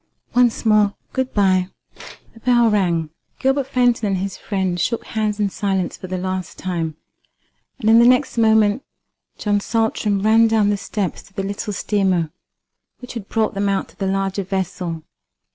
Once more, good bye." The bell rang. Gilbert Fenton and his friend shook hands in silence for the last time, and in the next moment John Saltram ran down the steps to the little steamer which had brought them out to the larger vessel.